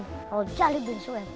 kalau calip dan soel